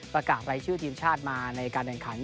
ประกาศรายชื่อทีมชาติมาในการแข่งขัน